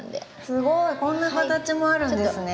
すごいこんな形もあるんですね。